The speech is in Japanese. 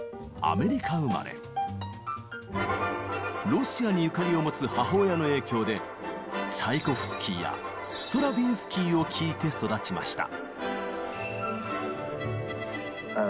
ロシアにゆかりを持つ母親の影響でチャイコフスキーやストラヴィンスキーを聴いて育ちました。